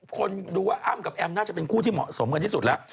คนดูว่าอ้ำกับแอมน่าจะเป็นคู่ที่เหมาะสมกันที่สุดแล้ว